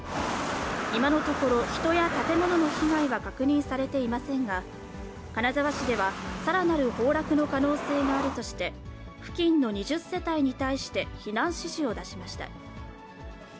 今のところ、人や建物の被害は確認されていませんが、金沢市ではさらなる崩落の可能性があるとして、付近の２０世帯に対して、避難指示を出しました。